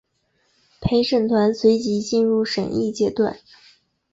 陪审团随即进入审议阶段。